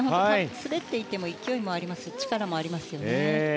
滑っていても勢いもありますし力もありますよね。